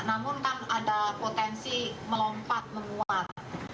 namun kan ada potensi melompat menguat